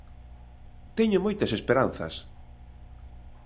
Teño moitas esperanzas.